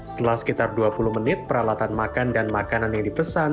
setelah sekitar dua puluh menit peralatan makan dan makanan yang dipesan